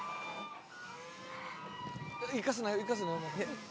「行かすなよ行かすなよ」